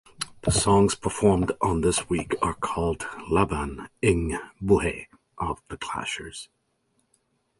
The songs performed on this week are called "Laban ng Buhay" of the clashers.